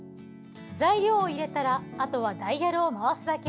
材料を入れたらあとはダイヤルを回すだけ。